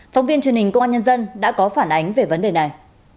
phóng viên truyền hình công an nhân dân đã có phản ánh về vấn đề này